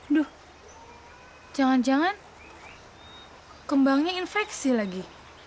duh jangan jangan kembangnya infeksi lagi